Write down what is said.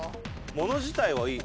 物自体はいい。